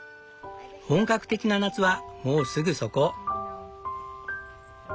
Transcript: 本格的な夏はもうすぐそこ。